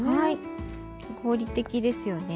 合理的ですよね。